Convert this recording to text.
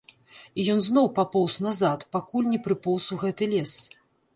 І ён зноў папоўз назад, пакуль не прыпоўз у гэты лес.